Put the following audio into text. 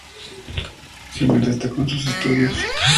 Zimmer destacó en sus estudios.